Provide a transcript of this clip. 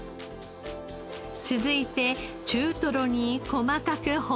続いて中トロに細かく包丁を入れて。